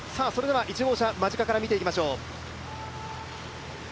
１号車、間近から見ていきましょう。